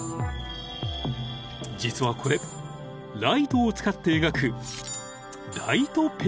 ［実はこれライトを使って描く］